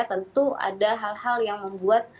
tentu ada hal hal yang membuat